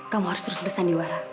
kamu harus terus bersandiwara